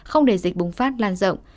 không để dịch bùng phát lan rộng